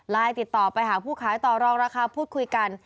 ติดต่อไปหาผู้ขายต่อรองราคาพูดคุยกัน